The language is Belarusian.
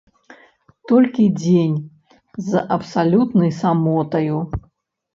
Толькі дзень з абсалютнай самотаю.